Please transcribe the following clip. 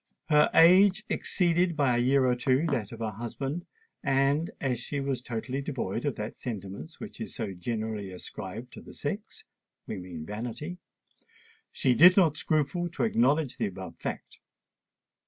Her age exceeded by a year or two that of her husband, and, as she was totally devoid of that sentiment which is so generally ascribed to the sex—we mean vanity—she did not scruple to acknowledge the above fact.